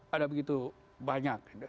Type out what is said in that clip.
ada begitu banyak